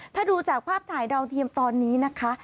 ถ้าดูจากภาพถ่ายดาวเทียมตอนนี้นะคะ